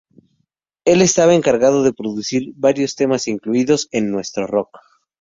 Él estaba encargado de producir varios temas incluidos en "Nuestro rock".